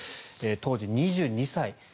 当時、２２歳。